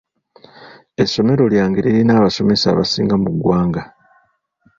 Essomero lyange lirina abasomesa abasinga mu ggwanga.